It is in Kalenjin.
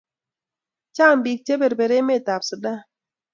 Chang pik che berber emet ab sudan